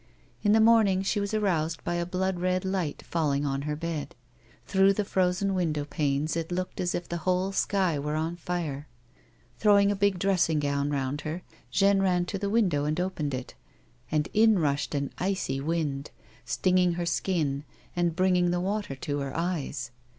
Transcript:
In the morning she was aroused by a blood red light falling on her bed. Through the frozen window panes it looked as if the whole sky were on fire. Throwing a big dressing gown round her, Jeanne ran to the window and opened it, and in rushed an icy wind, stinging her skin and bringing the water to her eyes.